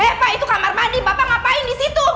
eh pak itu kamar mandi bapak ngapain disitu